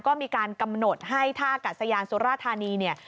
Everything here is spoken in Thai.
ก็มีการกำหนดให้ท่ากัดสยานสุราธานีเนี่ย